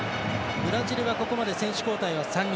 ブラジルはここまで選手交代は３人。